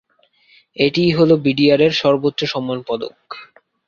এটিই হলো বিডিআর এর সর্বোচ্চ সম্মান পদক।